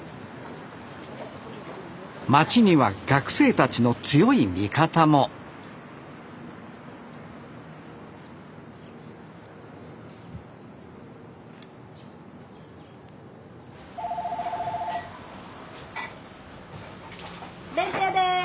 街には学生たちの強い味方も☎弁当屋です。